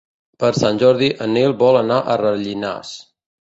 Per Sant Jordi en Nil vol anar a Rellinars.